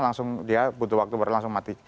langsung dia butuh waktu langsung mati